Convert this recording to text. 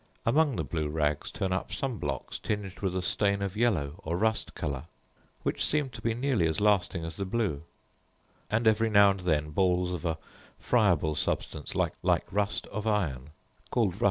Among the blue rags turn up some blocks tinged with a stain of yellow or rust colour, which seem to be nearly as lasting as the blue; and every now and then balls of a friable substance, like rust of iron, called rust balls.